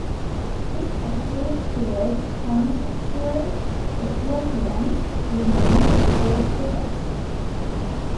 His attitude towards homosexual Ethiopians remains orthodox.